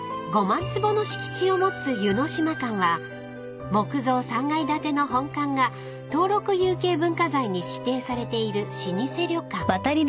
［５万坪の敷地を持つ湯之島館は木造３階建ての本館が登録有形文化財に指定されている老舗旅館］